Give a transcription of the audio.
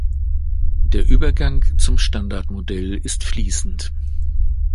Der Übergang zum Standardmodell ist fließend.